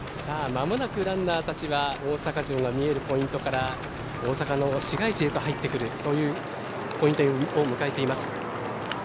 間もなくランナーたちは大阪城が見えるポイントから大阪の市街地へと入ってくるそういうポイントを迎えています。